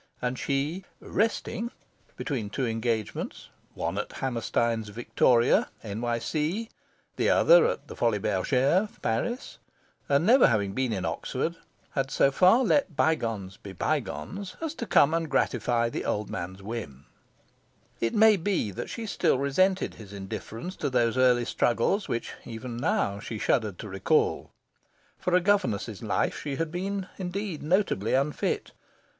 And she, "resting" between two engagements one at Hammerstein's Victoria, N.Y.C., the other at the Folies Bergeres, Paris and having never been in Oxford, had so far let bygones be bygones as to come and gratify the old man's whim. It may be that she still resented his indifference to those early struggles which, even now, she shuddered to recall. For a governess' life she had been, indeed, notably unfit.